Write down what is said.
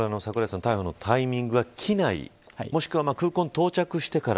逮捕のタイミングが、機内もしくは空港に到着してから。